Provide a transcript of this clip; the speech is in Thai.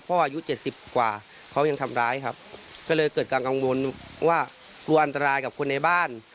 อายุเจ็ดสิบกว่าเขายังทำร้ายครับก็เลยเกิดการกังวลว่ากลัวอันตรายกับคนในบ้าน